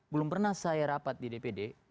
belum pernah saya rapat di dpd